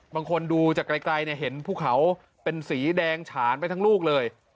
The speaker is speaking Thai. บางคนดูจากไกลเห็นภูเขาเป็นสีแดงฉานไปทั้งลูกเลย